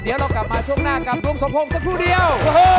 เดี๋ยวเรากลับมาช่วงหน้ากับลุงสมพงษ์สักครู่เดียว